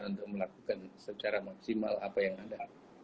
untuk melakukan secara maksimal apa yang ada